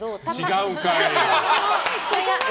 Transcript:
違うんかい。